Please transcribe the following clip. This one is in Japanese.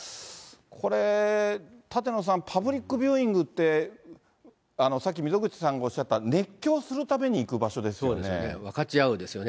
これ、舘野さん、パブリックビューイングって、さっき溝口さんがおっしゃった、分かち合うですよね、